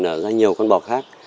đã ra nhiều con bò khác